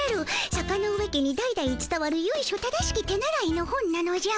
坂ノ上家に代々つたわるゆいしょ正しき手習いの本なのじゃ。